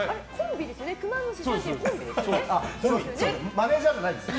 マネジャーじゃないですよ。